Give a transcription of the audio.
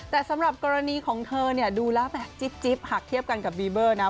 แต่สำหรับกรณีของเธอเนี่ยดูแล้วแบบจิ๊บหากเทียบกันกับบีเบอร์นะ